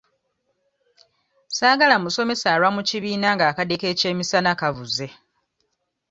Saagala musomesa alwa mu kibiina ng'akadde k'ekyemisana kavuze.